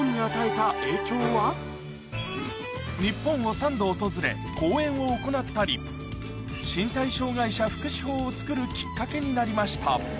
日本を３度訪れ講演を行ったりを作るきっかけになりました